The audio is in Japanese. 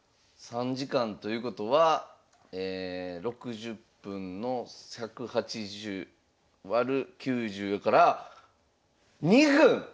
３時間ということは６０分の１８０割る９０やから２分！